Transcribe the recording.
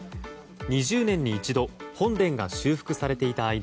２０年に一度本殿が修復されていたい